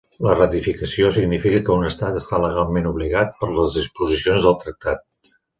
La ratificació significa que un estat està legalment obligat per les disposicions del tractat.